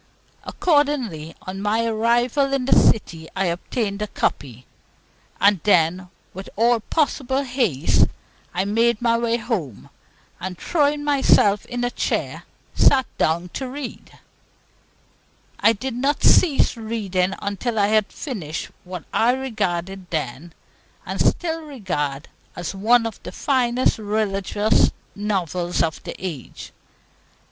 Accordingly, on my arrival in the City, I obtained a copy; and then, with all possible haste, I made my way home, and, throwing myself in a chair, sat down to read it. I did not cease reading until I had finished what I regarded then, and still regard, as one of the finest religious novels of the age.